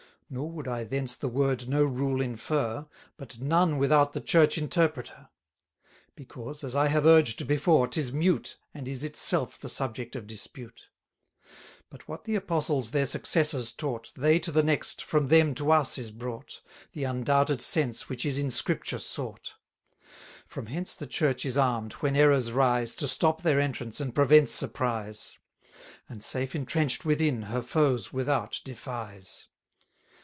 Nor would I thence the Word no rule infer, But none without the Church interpreter. Because, as I have urged before, 'tis mute, And is itself the subject of dispute. 360 But what the Apostles their successors taught, They to the next, from them to us is brought, The undoubted sense which is in Scripture sought. From hence the Church is arm'd, when errors rise, To stop their entrance, and prevent surprise; And, safe entrench'd within, her foes without defies.